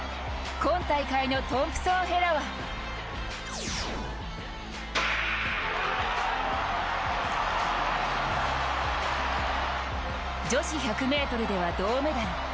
今大会のトンプソン・ヘラは女子１００ｍでは銅メダル。